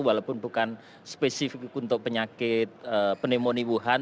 walaupun bukan spesifik untuk penyakit pneumonia wuhan